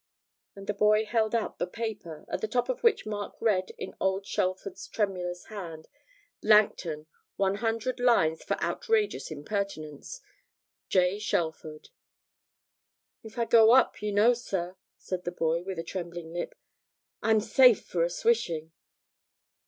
And the boy held out the paper, at the top of which Mark read in old Shelford's tremulous hand 'Langton. 100 lines for outrageous impertinence. J. Shelford.' 'If I go up, you know, sir,' said the boy, with a trembling lip, 'I'm safe for a swishing.'